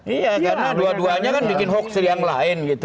iya karena dua duanya kan bikin hoax dari yang lain gitu